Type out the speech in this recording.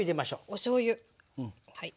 おしょうゆはい。